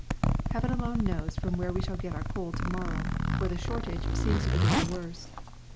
Heaven alone knows from where we shall get our coal to morrow, for the shortage seems to be getting worse.